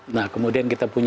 nah kemudian kita punya